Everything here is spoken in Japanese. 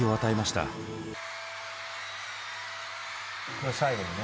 これ最後だね。